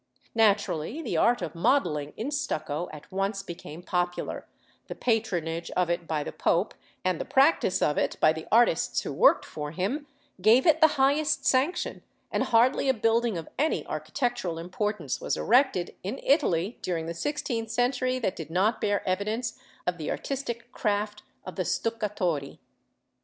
Naturally, the art of modelling in stucco at once became popular: the patronage of it by the Pope, and the practice of it by the artists who worked for him, gave it the highest sanction, and hardly a building of any architectural importance was erected in Italy during the sixteenth century that did not bear evidence of the artistic craft of the stuccatori.